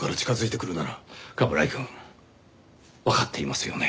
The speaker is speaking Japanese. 冠城くんわかっていますよね。